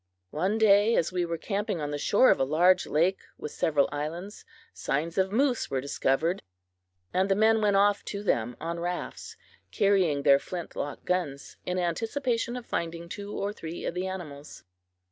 One day, as we were camping on the shore of a large lake with several islands, signs of moose were discovered, and the men went off to them on rafts, carrying their flint lock guns in anticipation of finding two or three of the animals.